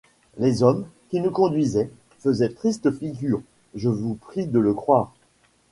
Les hommes, qui nous conduisaient, faisaient triste figure, je vous prie de le croire.